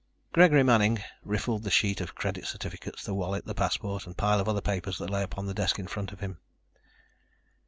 Gregory Manning riffled the sheaf of credit certificates, the wallet, the passport and pile of other papers that lay upon the desk in front of him.